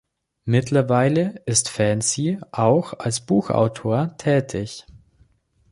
Mittlerweile ist Fancy auch als Buchautor tätig.